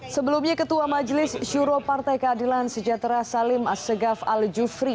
sebelumnya ketua majelis syuro partai keadilan sejahtera salim assegaf al jufri